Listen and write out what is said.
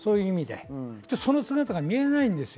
その姿が見えないです。